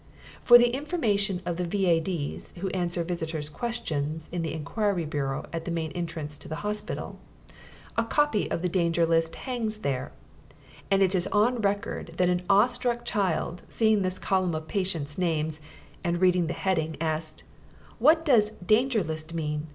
For the information of the V.A.D.'s who answer visitors' questions in the Enquiry Bureau at the main entrance to the hospital, a copy of the Danger List hangs there, and it is on record that an awestruck child, seeing this column of patients' names, and reading the heading, asked, "What does 'Danger List' mean?